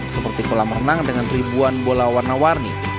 seperti kolam renang dengan ribuan bola warna warni